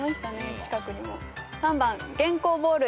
近くにも。